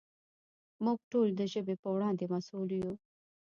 موږ ټول د ژبې په وړاندې مسؤل یو.